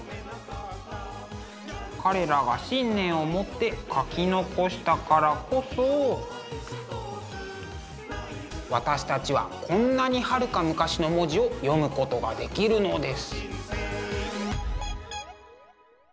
彼らが信念を持って書き残したからこそ私たちはこんなにはるか昔の文字を読むことができるのです。